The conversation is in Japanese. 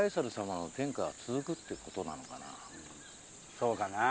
そうかな？